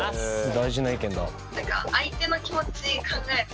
大事な意見だ。